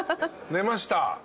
出ました。